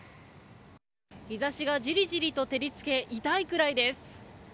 日差しが、じりじりと照り付け痛いくらいです。